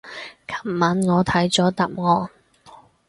琴晚我睇咗答案